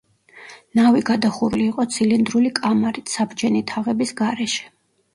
ნავი გადახურული იყო ცილინდრული კამარით, საბჯენი თაღების გარეშე.